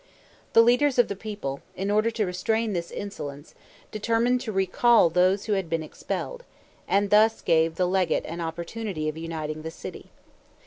The leaders of the people, in order to restrain this insolence, determined to recall those who had been expelled, and thus gave the legate an opportunity of uniting the city.